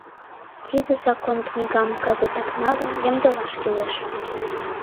Тиде закон книгам кызытак налын ямдылаш кӱлеш.